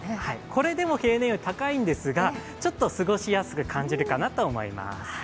これでも平年より高いんですが、ちょっと過ごしやすく感じるかなと思います。